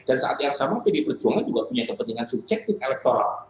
dan saat yang sama pdi perjuangan juga punya kepentingan subjektif elektoral